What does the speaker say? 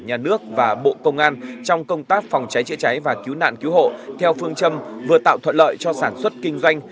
nhà nước và bộ công an trong công tác phòng cháy chữa cháy và cứu nạn cứu hộ theo phương châm vừa tạo thuận lợi cho sản xuất kinh doanh